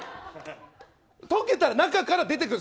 溶けたら中から出てくる。